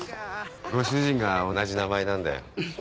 ご主人が同じ名前なんだよ。